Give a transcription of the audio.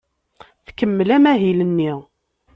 Tkemmel amahil-nni.